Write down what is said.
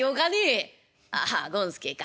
「ああ権助か。